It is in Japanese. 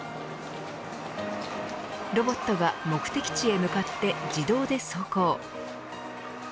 ロボットが目的地へ向かって自動で走行。